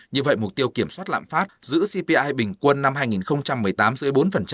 như vậy mục tiêu kiểm soát lạm phát giữ cpi bình quân năm hai nghìn một mươi tám dưới bốn